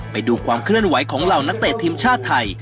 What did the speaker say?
ไปดูความเคลื่อนไหวของเหล่านักเตะทีมชาติไทย